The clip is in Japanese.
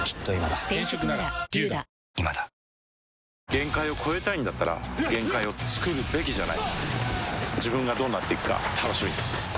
限界を越えたいんだったら限界をつくるべきじゃない自分がどうなっていくか楽しみです